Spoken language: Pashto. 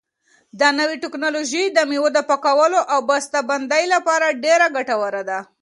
دا نوې ټیکنالوژي د مېوو د پاکولو او بسته بندۍ لپاره ډېره ګټوره ده.